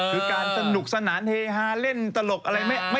คือการสนุกสนานเฮฮาเล่นตลกอะไร